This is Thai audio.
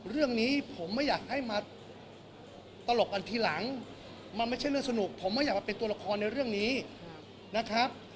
เรื่องนี้ผมไม่อยากให้มาตลกกันทีหลังมันไม่ใช่เรื่องสนุกผมไม่อยากมาเป็นตัวละครในเรื่องนี้นะครับ